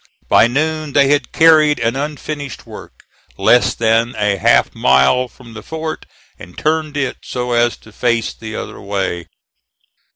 By noon they had carried an unfinished work less than a half mile from the fort, and turned it so as to face the other way.